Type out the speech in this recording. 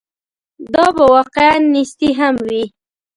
دا به واقعاً نیستي هم وي.